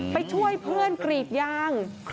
ไปช่วยเพื่อนกรีดยาง